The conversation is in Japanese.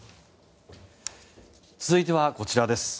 続いてはこちらです。